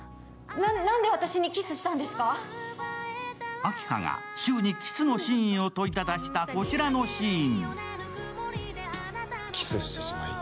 明葉が柊にキスの真意を問いただしたこちらのシーン。